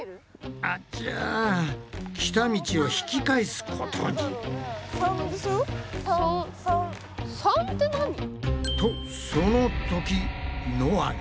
あちゃ来た道を引き返すことに。とそのときのあが。